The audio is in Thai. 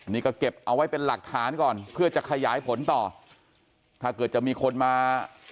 นี่ก็เก็บเอาไว้เป็นหลักฐานก่อนเพื่อจะขยายผลต่อถ้าเกิดจะมีคนมา